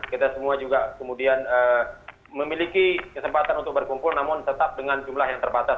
kita semua juga kemudian memiliki kesempatan untuk berkumpul namun tetap dengan jumlah yang terbatas